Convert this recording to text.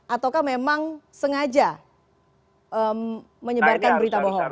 ataukah memang sengaja menyebarkan berita bohong